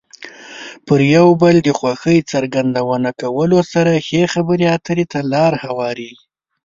پر یو بل د خوښۍ څرګندونه کولو سره ښې خبرې اترې ته لار هوارېږي.